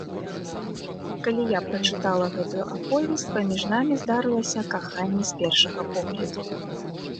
Калі я прачытала гэтую аповесць, паміж намі здарылася каханне з першага погляду.